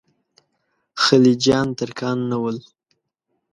خلجیان ترکان نه ول.